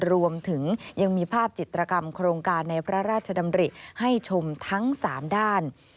รวมถึงยังมีภาพจิตรกรรมโครงการในพระราชดำริให้ชมทั้ง๓ด้าน